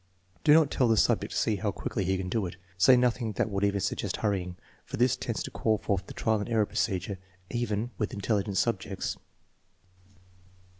Do not tell the subject to see how quickly he can do it. Say nothing that would even suggest hurrying, for this TEST NO. X, ALTERATIVE 3 279 tends to call forth the trial and error procedure even with intelligent subjects.